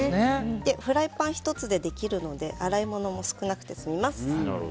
フライパン１つでできるので洗い物も少なくて済みます。